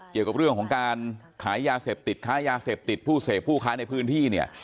เกี่ยวกับเรื่องของการขายยาเสพติดค้ายาเสพติดผู้เสพผู้ค้าในพื้นที่เนี่ย